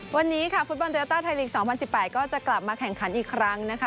วันนี้ค่ะฟุตบอลโยต้าไทยลีก๒๐๑๘ก็จะกลับมาแข่งขันอีกครั้งนะคะ